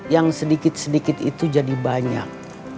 yang sedikit sedikit itu jadi banyak